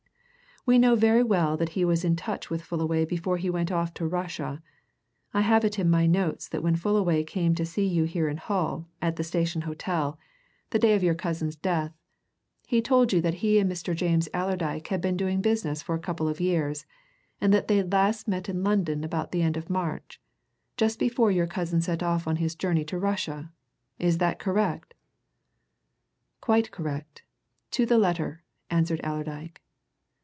"We know very well that he was in touch with Fullaway before he went off to Russia I have it in my notes that when Fullaway came to see you here in Hull, at the Station Hotel, the day of your cousin's death, he told you that he and Mr. James Allerdyke had been doing business for a couple of years, and that they'd last met in London about the end of March, just before your cousin set off on his journey to Russia. Is that correct?" "Quite correct to the letter," answered Allerdyke.